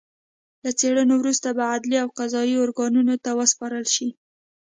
له څېړنو وروسته به عدلي او قضايي ارګانونو ته وسپارل شي